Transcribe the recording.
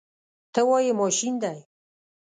ته وایې ماشین دی.